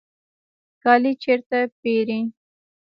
کالی چیرته پیرئ؟